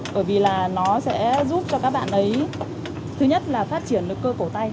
bởi vì là nó sẽ giúp cho các bạn ấy thứ nhất là phát triển được cơ cổ tay